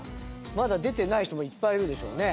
まだ出てない人もいっぱいいるでしょうね。